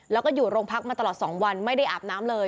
แล้วก็อยู่โรงพักมาตลอด๒วันไม่ได้อาบน้ำเลย